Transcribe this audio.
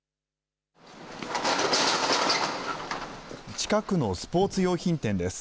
近くのスポーツ用品店です。